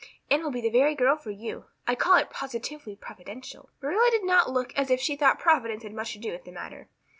Anne will be the very girl for you. I call it positively providential." Marilla did not look as if she thought Providence had much to do with the matter.